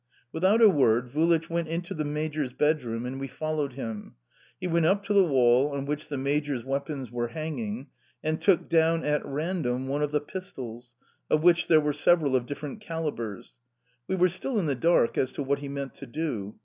Without a word Vulich went into the major's bedroom, and we followed him. He went up to the wall on which the major's weapons were hanging, and took down at random one of the pistols of which there were several of different calibres. We were still in the dark as to what he meant to do.